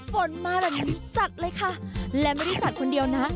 ฝนมาแบบนี้จัดเลยค่ะและไม่ได้จัดคนเดียวนะ